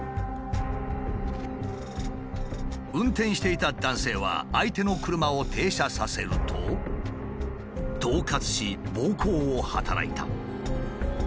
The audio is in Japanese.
運転していた男性は相手の車を停車させると恫喝し暴行を働いた。